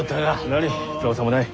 何造作もない。